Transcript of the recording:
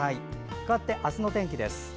かわって、明日の天気です。